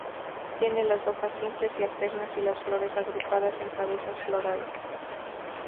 Tiene las hojas simples y alternas y las flores agrupadas en cabezas florales.